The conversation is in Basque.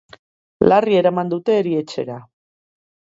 Larri eraman dute erietxera.